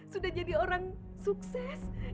sudah jadi orang sukses